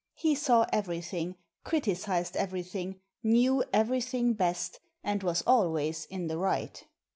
He saw everything, criticised everything, knew everything best, and was always in the right.